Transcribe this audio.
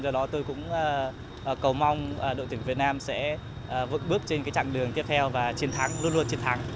do đó tôi cũng cầu mong đội tuyển việt nam sẽ vững bước trên chặng đường tiếp theo và chiến thắng luôn luôn chiến thắng